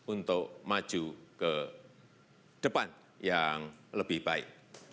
untuk maju ke depan yang lebih baik